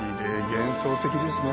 幻想的ですね。